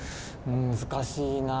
難しいなぁ。